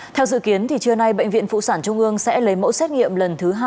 theo dự kiến trưa nay bệnh viện phụ sản trung ương sẽ lấy mẫu xét nghiệm lần thứ hai